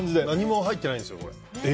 何も入っていないんですよこれ。